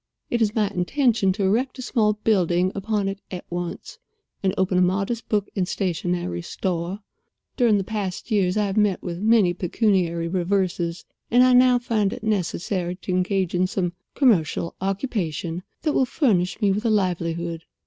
It is my intention to erect a small building upon it at once, and open a modest book and stationery store. During past years I have met with many pecuniary reverses, and I now find it necessary to engage in some commercial occupation that will furnish me with a livelihood.